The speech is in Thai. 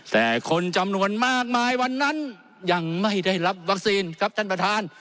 แต่คนจำนวนมากมายวันนั้นยังไม่ได้รับวัคซีนครับท่านประธาน